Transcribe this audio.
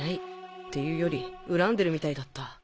っていうより恨んでるみたいだった。